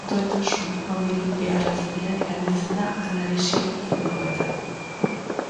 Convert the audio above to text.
Doitasun handirik behar ez denean erabiltzen da analisi kimikoetan.